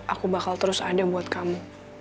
aku bakal terus ada buat kamu